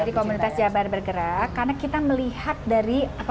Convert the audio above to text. nah ini teman teman jabar bergerak ini relawan luar biasa lho